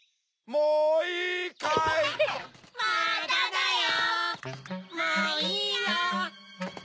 もういいよ！